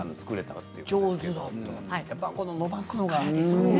やっぱりのばすのがね。